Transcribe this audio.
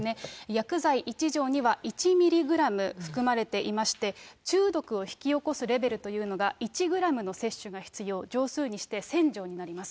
薬剤１錠には１ミリグラム含まれていまして、中毒を引き起こすレベルというのが１グラムの摂取が必要、錠数にして１０００錠になります。